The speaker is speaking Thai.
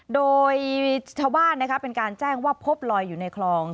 โดยชาวบ้านเป็นการแจ้งว่าพบลอยอยู่ในคลอง